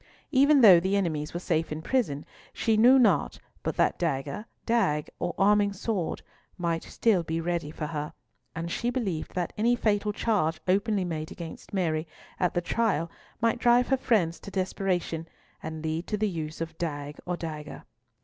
Even though the enemies were safe in prison, she knew not but that dagger, dagg, or arming sword might still be ready for her, and she believed that any fatal charge openly made against Mary at the trial might drive her friends to desperation and lead to the use of dagg or dagger.